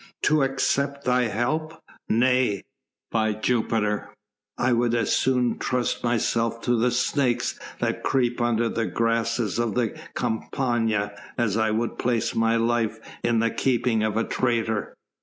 "To accept thy help. Nay! By Jupiter, I would as soon trust myself to the snakes that creep under the grasses of the Campania, as I would place my life in the keeping of a traitor."